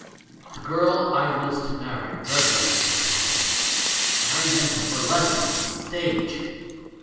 The girl I was to marry reverenced her father — and I meant to burlesque him on the stage